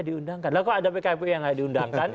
diundangkan lah kok ada pkpu yang nggak diundangkan